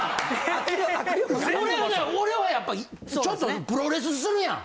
・俺はな俺はやっぱちょっとプロレスするやん。